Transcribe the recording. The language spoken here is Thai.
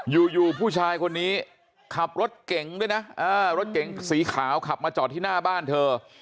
อยู่ผู้ชายคนนี้ขับรถเก่งด้วยนะรถเก๋งสีขาวขับมาจอดที่หน้าบ้านเธอ